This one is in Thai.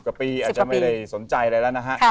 ๑๐กับปีไม่ได้สนใจเลยนะฮะ